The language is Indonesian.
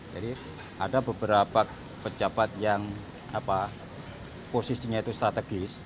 jadi ada beberapa pejabat yang posisinya itu strategis